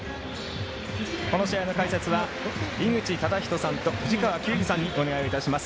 この試合の解説は井口資仁さんと藤川球児さんにお願いをいたします。